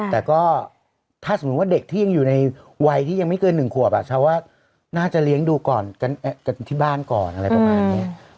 แต่ก็ถ้าสมมุติว่าเด็กที่ยังอยู่ในวัยที่ยังไม่เกิน๑ขวบชาวว่าน่าจะเลี้ยงดูก่อนกันที่บ้านก่อนอะไรประมาณนี้